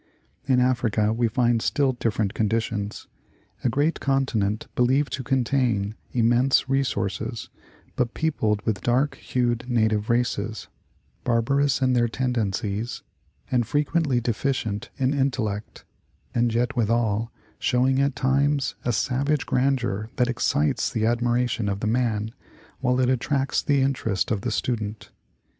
In Africa we find still different conditions. A great continent believed to contain immense resources, but peopled with dark hued native races, barbarous in their tendencies, and frequently deficient in intellect, and yet withal showing at times a savage grandeur that excites the admiration of the man, while it attracts the interest of the student.